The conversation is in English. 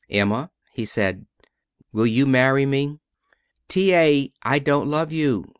"Emma," he said, "will you marry me?" "T. A., I don't love you.